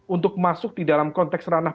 untuk masuk di dalam konteks ranah